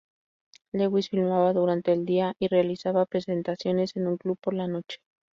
Lewis filmaba durante el día y realizaba presentaciones en un club por la noche.